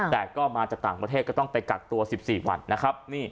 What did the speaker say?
แต่ก็มาจากต่างประเทศก็ต้องไปกักตัว๑๔วันนะครับ